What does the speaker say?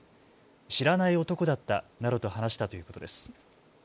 知らない男だったなどと話したということです。